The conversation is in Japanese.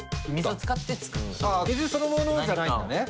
あ水そのものじゃないんだね。